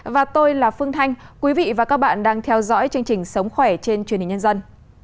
và tôi là phương thanh quý vị và các bạn đang theo dõi chương trình sống khỏe trên truyền hình nhân dân